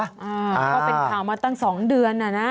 ก็เป็นข่าวมาตั้ง๒เดือนอ่ะนะ